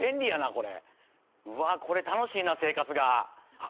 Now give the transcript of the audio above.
これうわーこれ楽しいな生活があっ